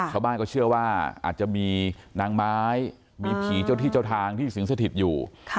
ชาวบ้านก็เชื่อว่าอาจจะมีนางไม้มีผีเจ้าที่เจ้าทางที่สิงสถิตอยู่